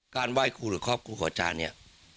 ไหว้ครูหรือครอบครูขออาจารย์เนี่ย